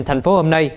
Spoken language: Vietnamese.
thành phố hôm nay